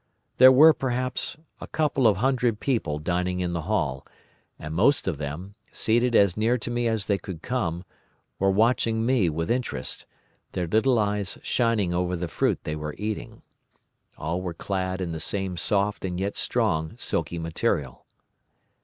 There were, perhaps, a couple of hundred people dining in the hall, and most of them, seated as near to me as they could come, were watching me with interest, their little eyes shining over the fruit they were eating. All were clad in the same soft, and yet strong, silky material.